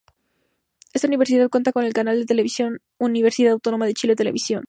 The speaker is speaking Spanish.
Esta universidad cuenta con el canal de televisión Universidad Autónoma de Chile Televisión.